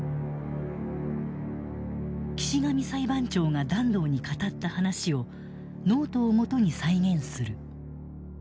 岸上裁判長が團藤に語った話をノートをもとに再現する。